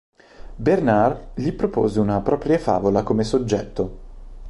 Bernard gli propose una propria favola come soggetto.